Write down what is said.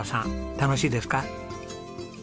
楽しいです。